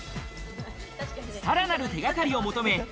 さらなる手がかりを求め